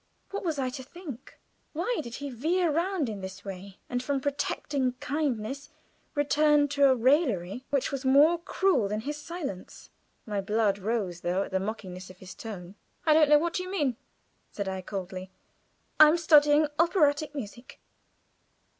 What was I to think? Why did he veer round in this way, and from protecting kindness return to a raillery which was more cruel than his silence? My blood rose, though, at the mockingness of his tone. "I don't know what you mean," said I, coldly. "I am studying operatic music.